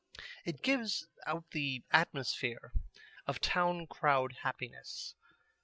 It gives out the atmosphere of town crowd happiness.